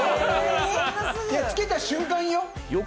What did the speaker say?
つけた瞬間よ。